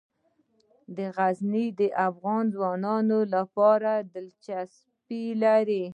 غزني د افغان ځوانانو لپاره دلچسپي لري.